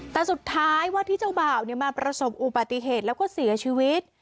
แต่สุดท้ายว่าที่เจ้าบ่าวมาประสบอุบัติเหตุแล้วก็เสียชีวิต